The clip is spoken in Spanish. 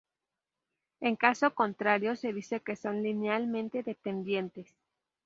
En caso contrario, se dice que son linealmente dependientes.